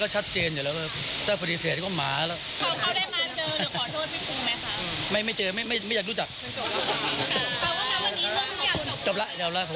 ก็อย่ามรับผิดนะคะเดี๋ยวราคารับผิดหรอ